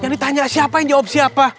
yang ditanya siapa yang jawab siapa